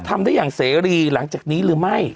ทำได้อย่างเสรีหลังจากนี้หรือไม่